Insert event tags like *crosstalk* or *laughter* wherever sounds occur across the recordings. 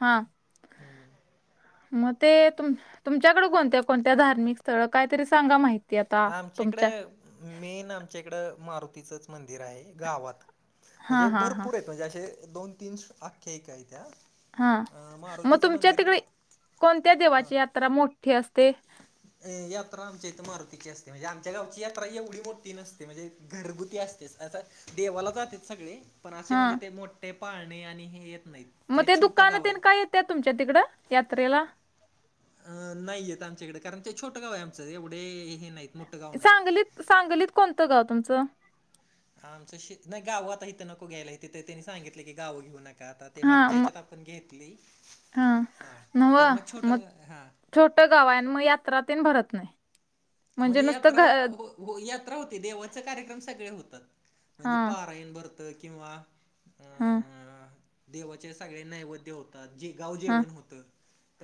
हा मग ते तु तुमच्याकडे कोणत्या कोणत्या धार्मिक स्थळ काय तरी सांगा माहिती. आता तुमच्या आमच्याकडं मेन आमच्या इकडं मारुतीचंच मंदिर आहे गावात. हा म्हणजे हा हा भरपूर आहेत म्हणजे असे दोन तीन आख्यायिका आहेत्या. हा मग तुमच्या तिकडे कोणत्या देवाची यात्रा मोठी असते? अ यात्रा आमच्या इथे मारुतीची असते म्हणजे आमच्या गावची यात्रा एवढी मोठी नसते म्हणजे घरगुती असते. स देवाला जातेत सगळे पण असे हा म्हणजे ते मोठे पाळणे आणि हे येत नाहीत. मग ते छोटं दुकान गाव आहे. तेन काय येत्यात तुमच्या तिकडं यात्रेला. अ नाही येत आमच्याकडं कारण ते छोटं गाव आहे आमचं एवढे हे नाही. मोठं गाव सांगलीत सांगलीत कोणतं गाव तुमचं? आमचं श नाही गावं आता इथं नको घ्यायला इथ ते त्यांनी सांगितलं की गाव घेऊ नका. आता ते हा मागच्या म ह्यच्यात आपण घेतलयं हा तर मग छोट हा. छोट गाव हाय आण मग यात्रातेन भरत नाही. म्हणजे नुसतं घ यात्रा हो हो यात्रा होते देवाच कार्यक्रम सगळे होतात. हा म्हणजे पारायण भरतं किंवा हा देवाचे सगळे नैवेद्य होत जे गाव हा जेवण होत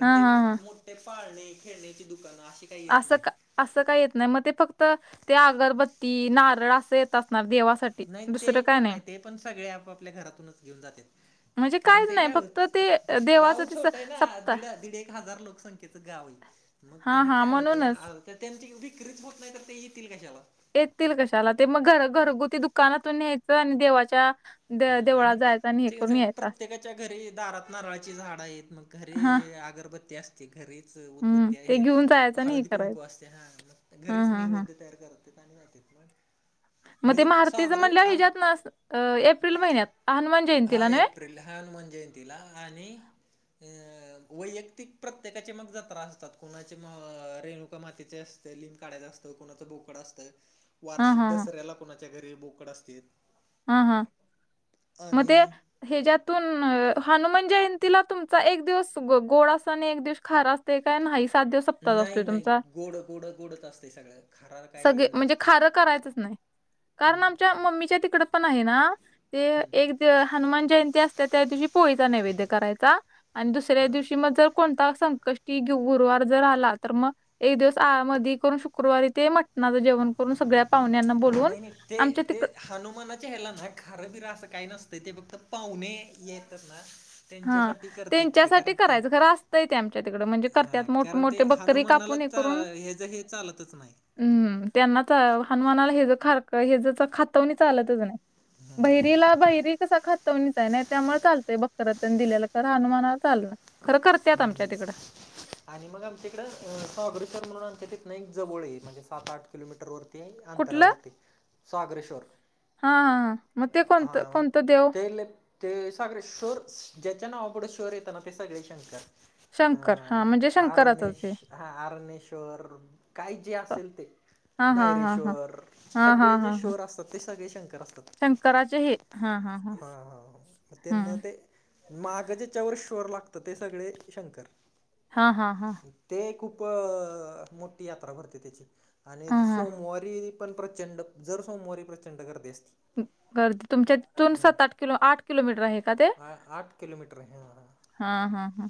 हा ते मग हा हा मोठे पाळणे खेळण्याची दुकानं अशी काही येत असं नाहीत का. असं का येत नाही मग ते फक्त ते अगरबत्ती नारळ असं येत असणार देवासाठी. नाही ते दुसरं काय पण नाही ते पण सगळे आपपल्या घरातूनच घेऊन जात्यात. म्हणजे कारण काहीच ते नाही काय फक्त ते अ, होत देवाचं गाव ते स- छोट आहे ना सप्ताह दीड दीड एक हजार लोकसंख्या च गाव मग हा त्याने हा काय म्हणूनच होतं त्यांची विक्रीच होत नाही तर ते येतील कशाला. येतील कशाला ते मग घर घरगुती दुकानातून न्यायचं आणि देवाच्या द अ हम्म देवळात आणि जायचं. आणि हे ते करून यायचं असं. प्रत्येकाच्या घरी दारात नारळाची झाडं आहेत मग घरी हा अगरबत्ती अस घरीच हम्म उदबत्ती ते आहे घेऊन जायचं आणि हे हळदी कुंकू करायचं असते हा हा घरीच हा हा निवद तयार करत आणि जातेत मग. मग ते मेन मारुतीच सागर म्हणलं आम हज्यात नस एप्रिल महिन्यात हनुमान हा जयंतीला नव्हे एप्रिल हा हनुमान जयंतीला आणि वैयक्तिक प्रत्येकाचे मग जत्रा असतात कोणाचे मग रेणुका मातेचे अस लिंंग काढायच असतं कोणाचं बोकड असतं हा वार्षिक हा हा दसऱ्याला कोणाच्या घरी बोकड असतेत. हा हा म ते हच्यातून हनुमान जयंतीला तुमचा एक दिवस गोड अस आणि एक दिवस खारा ते काय नाही सात दिवस पता नाही असतोय नाही तुमचा गोड गोड गोडच असते सगळं खार काही सगळे म्हणजे नसते खारं करायचंच नाही. कारण आमच्या मम्मीच्या तिकड पण आहे ना. ते एक हनुमान जयंती असतिया त्या दिवशी पोळीचा नैवेद्य करायचा. आणि दुसऱ्या दिवशी मग जर कोणता संकष्टी गुरुवार जर आला तर मग एक दिवस आ मध्ये करून शुक्रवारी ते म टणाचं जेवण करून सगळ्या पाहुण्यांना बोलवून आमच्या तिकड हनुमाना ला ना खारंबिरा असं काही नसतंय ते फक्त पाहुणे येतात ना. हां, त्यांच्यासाठी करतेत ते त्यांच्यासाठी कारण ते करायचं खरं असतंय ते आमच्या तिकडं म्हणजे हा करत्यात कारण ते मोठमोठे बकरी हनुमानाला कापून हे हा करून ह्यज हे चालतच नाही. हम्म त्यांना च हनुमानाला हे ज खार ह ज खातवणी चालतच नाही. बहिरीला बहिरी कसा खातवणीचा आहे ना त्यामुळे चालतय बक खार तेन दिलेल खर हनुमाना चालत नाय. हम्म. आणि मग आमच्या इकडं स्वागरेश्वर म्हणून आमच्या तिथंन एक जवळ म्हणजे सात आठ किलोमीटर वर ते कुठलं? अंतरावर ते स्वागरेश्वर. हां हां हां मग ते कोणतं हा म कोणतं देव? ते लेप ते सागरेश्वर ज्याच्या नावा पुढे श्वर येतना ते सगळे शंकर. शंकर हां अं म्हणजे शंकराचंच आरनेश हे. हा आरनेश्वर काय जे असेल ते. हां हां हां हां. धायरेश्वर हां हां सगळे जे श्वर असतात ते सगळे शंकर असतात. कराचे हे हा हा. हा हा ह मग त्यांना ते माग ज्याच्यावर श्वर लागतं ते सगळे शंकर. हा हा हा. ते खूप मोठी यात्रा भरते त्याची आणि हां हां. सोमवारी पण प्रचंड जर सोमवारी प्रचंड गर्दी असती. गर्दी तुमच्यात तुन सात आठ किलो आठ किलोमीटर आहे का ते? आ आठ किलोमीटर आहे हां हा हा हा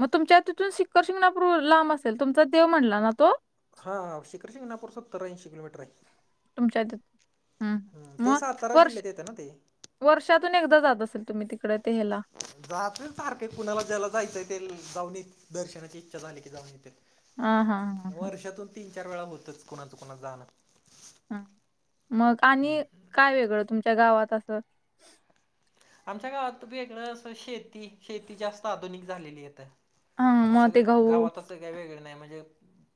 मग तुमच्या तिथून शिखर शिंगणापूर लांब असेल तुमचा देव म्हटला ना तो. हा हा शिखर शिंगणापूर सत्तरऐंशी किलोमीटर आहे. तुमच्यात ह ते सातारा जिल्ह्यात येतं ना ते. वर्षातून एकदा जात असेल तुम्ही तिकडे ते हला. जातोय सारखं कुणाला ज्याला जायचं ते जाऊन येतेत दर्शनाची इच्छा झाली की जाऊन येतेत. हा हा हा हा वर्षातून तीन चार वेळा होतच कोणाच कोणाच जाणं. ह मग आणि काय वेगळं तुमच्या गावात असं? आमच्या गावात वेगळं अस शेती शेती जास्त आधुनिक झालेली येत. हा मग असं ते ग गहू गावात असं काही वेगळ नाही म्हणजे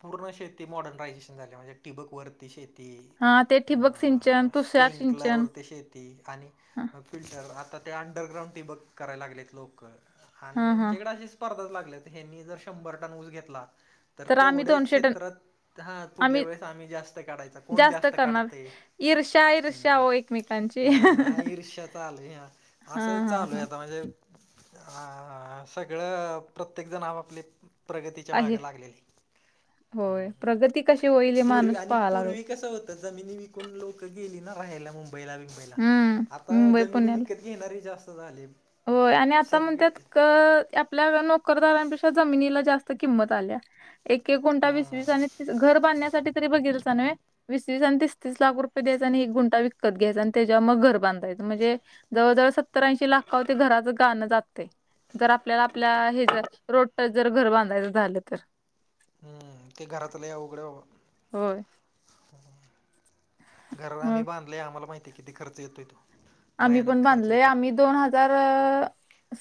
पूर्ण शेती मॉडर्नायझेशन झालीया म्हणजे टिबक वरती शेती हा ते ठिबक सिंचन, अ तुषार स्पिंकलार सिंचन वरती शेती आणि हा तर आता ते अंडरग्राउंड टिबक करायला लागलेत लोक हा आणि हा. आमच्याकडे असेच स्पर्धाच लागल्यात हनी जर शंभर टन ऊस घेतला तर आम्ही तेवढ्याच दोनशे टन क्षेत्रात हा पुुढल्या वेळेस आम्ही जास्त काढायचा कोण जास्त काढतयं. ईर्षा ईर्षा ओ एकमेकांची अ हं हं हा हं. ईर्ष्या चालू आहे हा असं चालू आहे हा. आता म्हणजे आ सगळं प्रत्येकजण आप आपले प्रगतीच्या आहे मागे लागलेली. अ होय प्रगती कशी होईल हे पूर् माणूस आणि पाहा लागला पूर्वी कसं होत जमिनी विकून लोक गेली ना राहियला मुंबईला बिंबईला हम्म आता मुंबई जमिनी पुण्याला विकत घेणारे जास्त झाले. होय आणि आता सगळे म्हणत्यात क आपल्याकडं नोकरदारांपेक्षा जमिनीला जास्त किंमत आल्या. एक एक गुंठा वीस हम्म वीस आणि तीस घर बांधण्यासाठी तरी बघितलासा नव्हे. वीस वीस आणि तीसतीस लाख रुपये द्यायचे आणि एक गुंटा विकत घ्यायचा आणि त्याच्या मग घर बांधायंचं म्हणजे जवळजवळ सत्तरऐंशी लाखावर ते घराचं गाणं जातयं. जर आपल्याला आपल्या हे जर रोडटच जर घर बांधायचं झालं तर. हम्म ते घराचं लई अवघड आहे बाबा. होय. हं घर आम्ही मग बांधलयं आम्हाला माहितीय किती खर्च येतोय तो. आम्ही पण भयानक खर्च बांधलय येतोय आम्ही दोन हजार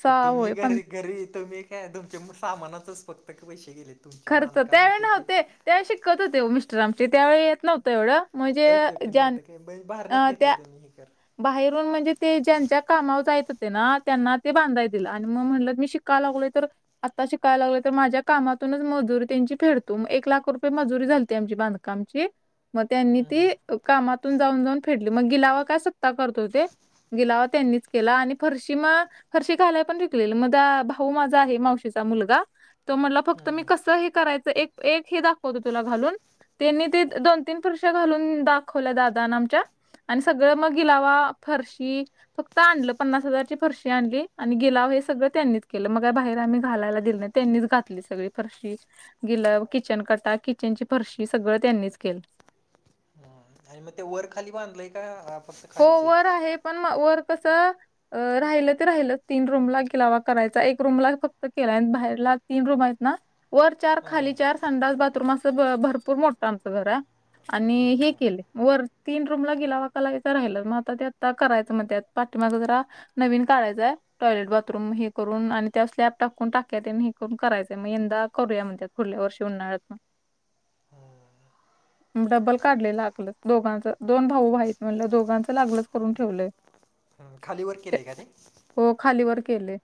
सहा तुम्ही होय पंधरा घरी घरी तुम्ही काय तुमच्या मग सामानाचंच फक्त क पैसे गेलेत. खर्च त्यावेळी नव्हते त्यावेळी शिकत होते ओ मिस्टर आमची त्यावेळी येत नव्हतं एवढं. म्हणजे ओके ओके ज्या नव्हतं काय बई बाहेरनच अ, त्या घेतलीय त मी हे कर. बाहेरून म्हणजे ते ज्यांच्या कामावर जायत होते ना त्यांना ते बांधाय दिलं आणि मग म्हणलं मी शिक का लागलं तर आता शिकायला लागले तर माझ्या कामातूनच मजुरी त्यांची फेरतो मग एक लाख रुपये मजुरी झालीती आमची बांधका कामची मग त्यांनी ती कामातून जाऊन जाऊन फेटली मग गिलावा कास आत्ता करतो ते गिलावा त्यांनीच केला आणि फरशी मग फरशी घालाय पण शिकलेलं मझा भाऊ माझा आहे मावशीचा मुलगा. त्यो म्हणला फक्त हम्म मी हम्म कसं हे करायचं एक एक हे दाखवतो तुला घालून. त्यांनी ते दोन तीन फरश्या घालून दाखवल्या दादानं आमच्या आणि सगळं मग गिलावा फर्शी फक्त आणलं पन्नास हजारची फरशी आणली आणि गिलाव हे सगळं त्यांनीच केलं मग बाहेर आम्ही घालायला दिलं नाही. त्यांनीच घातली सगळी फरशी गिलाव, किचन कटा, किचन ची फरशी सगळं त्यांनीच केलं. आणि मग ते वर खाली बांधलंय का फक्त हो वर आहे पण म वर कसं अ राहिलं ते राहिल तीन रूमला गिलावा करायचा एक रूमला फक्त केलाय बाहेरला तीन रूम आहेत ना वर चार, हा खाली हा चार, संडास, बाथरूम असं ब भर पूर मोठं आमचं घर आहे आणि हे केले वर तीन रूमला गिलावा काल चा राहिला मग आता ते आता करायचं मग त्यात पाठीमागं जरा नवीन काढयचंय टॉयलेट बाथरूम हे करून आणि त्यावर स्लॅब टाकून टाक्या तेन आणि हे करून करायचं मग यंदा करूया म्हणत्यात पुुढल्या वर्षी उन्हाळ्यात ना. डब्बल काढले लागलं दोघांचं दोन भाऊ आहे म्हणलं दोघांचं लागलच करून ठेवलंय. म खाली वर केले आहे का ते? हो खालीवर केलेय.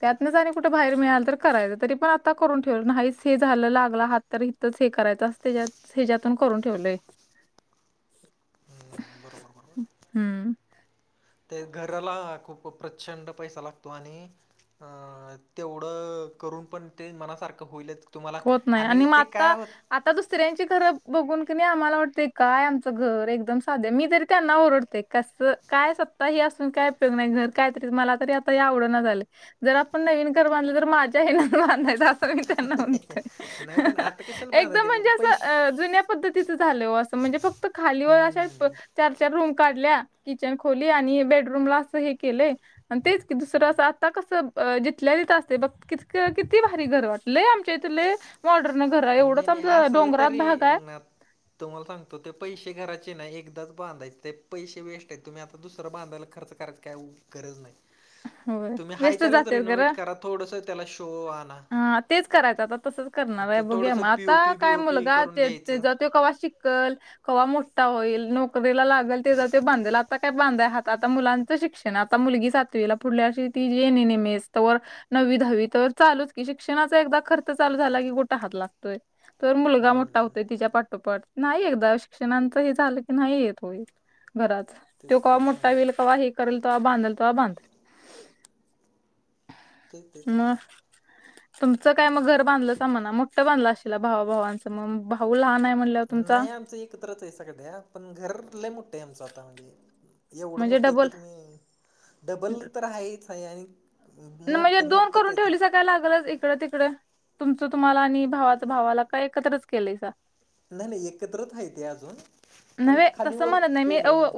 त्यातनच आणि कुठे बाहेर मिळाल तर करायचं तरी पण आता करून ठेव नाहीच हे झालं लागलं हात तरी च हे करायचं असते ज्यात हेज्यातून करून ठेवलंय. हम्म, बरोबर बरोबर हम्म. ते घराला खूप प्रचंड पैसा लागतो आणि तेवढं करून पण ते मनासारखं होईलच तुम्हाला होत नाही आणि मग ते काय आता होत आता दुसऱ्यांची घरं बघून क नाही आम्हाला वाटते काय आमचं घर एकदम सादे मी तरी त्यांना ओरडते कसं काय सत्ता हे असून काय उपयोग नाही घर कायतरी मला तरी आता हे आवड नाही झालं जर आपण नवीन घर बांधले तर माझ्या ह्यांना पण बांधायचं असं मी त्यांना नाही पण आता कशाला बांधा एकदम ते म्हणजे असं पैसे अ जुन्या पद्धतीचं झालं हो असं म्हणजे फक्त खालीवर अशे हम्म प चार-चार रूम काढल्या, किचन, खोली आणि हे बेडरूमला असं हे केलंय तेच की दुसरं असं आता कसं जिथल्या जिथं असते बघ किती भारी घर वाटलंय तिथले लय मॉडर्न घर आहे एवढं. आणि असलं तरी इन्ना प तुम्हाला सांगतो ते पैशे घरायचे नाही एकदाच बांधायचे ते पैशे वेस्ट आहे तुम्ही आता दुसरा बांधायला खर्च करायचा काय उ गरज नाही. *inaudible* तुम्ही हाय वेस्ट त्यालाचं जात्यात रेनोव्हेट करा थोडस त्याला शो आणा. हा तेच करायचं आता तसंच मग करणार आहे ते बघू या थोडंसं मग आता पीओपी काय बीओपी मुलगा करून ते घ्यायचं तेज्या ते कव्हा शिकल, कव्हा मोठा होईल, नोकरीला लागेल तेज्या ते बांधेल आता काय बांधाय हा आता मुलांचा शिक्ष ण आता मुलगी सातवीला पुढल्याशी तिजे एन एन एम एस तो वर नव्वी दहावी तर चालूच कि शिक्षणाचा एकदा खर्च चालू झाला की कुठं हात लागतोय तर मुलगा हम्म, मोठा होतोय तिच्या पाठोपाठ नाही एकदा शिक्षणांचा हे झालं की नाही येत होय घराचा. तो तेच कव्हा तेच मोठा सांग होईल, कव्हा हे करेल, तेव्हा बांधेल तेव्हा बांध. तेच तेच मग तुमचं काय मग घर बांधलंसा म्हणा. मोठं बांधलं आसशीला भावा भावांचं मग भाऊ लहान आहे म्हणल नाही आमचं एकत्रच आहे सध्या, पण घरात लई मोठे आमचं आता म्हणजे एवढं म्हणजे मोठं आहे की डबल तुम्ही डबल तर आहेच आहे आणि म्हणजे मोठं दोन मोठंच करून हाय ते. ठेवलीसा काय लागलंच इकड तिकडे तुमचं तुम्हाला आणि भावाच भावाला. काय एकत्रच केलंयसा? नाही नाही एकत्रच हाईत अजून, पण खाली वर केलंय हा.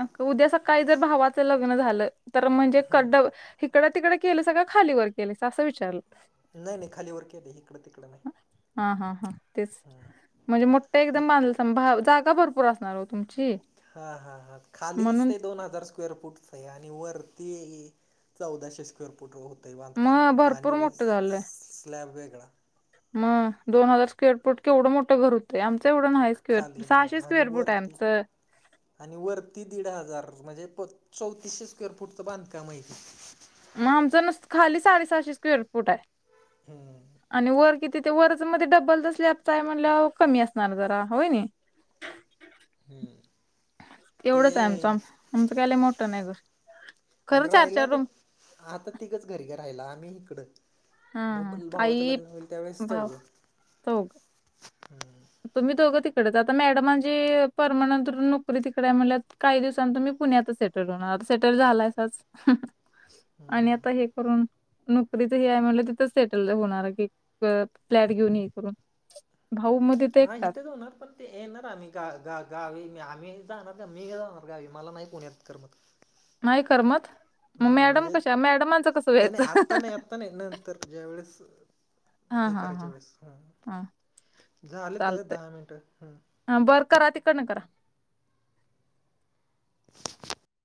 अ उद्या सकाळी जर भावाचं लग्न झालं, तर म्हणजे कड हिकडं तिकडं केलंसा का खालीवर केलं असं विचारलं. नाही नाही खालीवर केलंय. हिकडं तिकडं नाही. हा, हा, हा. तेच म्हणजे मोठे मग एकदम बांधलसा भाव जागा भरपूर असणार ओ. तुमची हा, हा, हा. खालीच म्हणून ते दोन हजार स्क्वेअर फूटच आहे आणि वरती चौदाशे स्क्वेअर फुट हो ते बांधकाम मग भरपूर आणि मोठं झालं स्लॅब वेगळा. मग दोन हजार स्क्वेअर फूट केवढं मोठं घर हो ते आमचं एवढं नाही स्क्वेअर फूट खाली हा सहाशे आणि स्क्वेअर बुट आहे वरती आमचं. आणि वरती दीड हजार म्हणजे प चौतीसशे स्क्वेअर फूटचं बांधकाम आहे ती. मग आमचं नुसतं खाली साडेसहाशे स्क्वेअर फूट आहे. हम्म. आणि वर किती ते वरचमध्ये डब्बलचा स्लॅपचा आहे म्हणल्यावर कमी असणार जरा होय नाही. हम्म. तेवढंच आहे आमचं, आमचं काय लई मोठं घर. खरं आणि चार, राहिला चार तर रूम आता तिघंच घरी घे राहिला, आम्ही हिकडं. हा मग हा भावाचं आई लग्न होईल त्यावेेळेस भाव चौघं चौघ हं. तुम्ही दोघं तिकडचं आता मॅडमांची परमनंट नोकरी तिकडे आहे म्हणल्यावर काही दिवसांन तुम्ही पुण्यातच सेट. *unintelligible* सेटल झालायसाच आणि आता हे करून नोकरीच हे आहे म्हणलं तिथं सेटल होणार की, अ फ्लॅट घेऊन हे करून. भाऊमध्ये. हा इथंच होणार, पण ते येणार आम्ही ग-ग-गावी मी आम्ही जाणार का मी जाणार गावी मला नाही पुण्यात करमत. नाही करमत? मग हा मॅडम म्हणजे कशा मॅडमांचं कसं व्हायचं? आता नाही नंतर ज्यावेेळेस हा हे हा करायच्या वेळेस हा. झाले ते चालतंय दहा मिनटं हम्म. हा बरं करा तिकडन करा. *inaudible*